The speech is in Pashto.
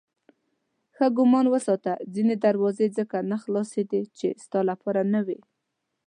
ښه ګمان وساته ځینې دروازې ځکه نه خلاصېدې چې ستا لپاره نه وې.